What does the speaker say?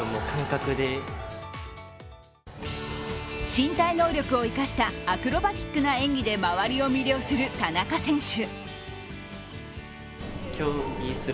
身体能力を生かしたアクロバティックな演技で周りを魅了する田中選手。